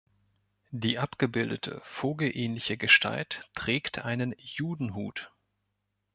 Die abgebildete vogelähnliche Gestalt trägt einen „Judenhut“.